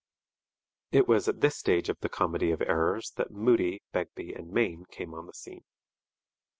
It was at this stage of the comedy of errors that Moody, Begbie, and Mayne came on the scene.